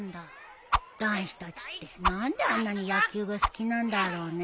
男子たちって何であんなに野球が好きなんだろうね。